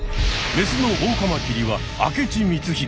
メスのオオカマキリは明智光秀。